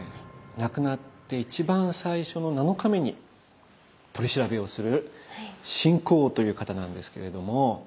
亡くなって一番最初の７日目に取り調べをする秦広王という方なんですけれども。